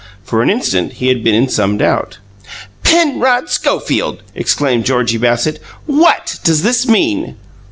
For an instant he had been in some doubt. "Penrod Schofield!" exclaimed Georgie Bassett. "WHAT does this mean?"